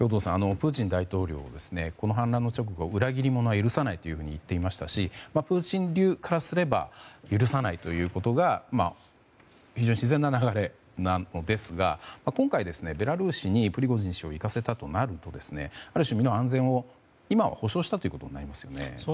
プーチン大統領はこの反乱の直後、裏切り者は許さないと言っていましたしプーチン流からすれば許さないということが非常に自然な流れなのですが今回、ベラルーシにプリゴジン氏を行かせたとなるとある種、身の安全を今は保障したことになりますね。